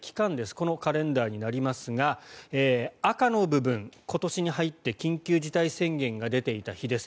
このカレンダーになりますが赤の部分今年に入って緊急事態宣言が出ていた日です。